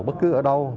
bất cứ ở đâu